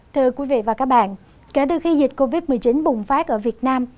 thưa quý vị và các bạn kể từ khi dịch covid một mươi chín bùng phát ở việt nam